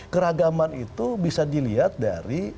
keragaman itu bisa dilihat dari